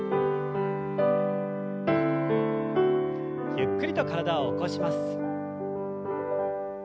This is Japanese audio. ゆっくりと体を起こします。